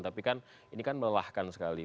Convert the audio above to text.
tapi kan ini kan melelahkan sekali